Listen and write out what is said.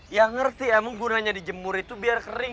ya ngerti emang gunanya dijemur itu biar kering